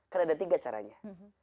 kan ada tiga caranya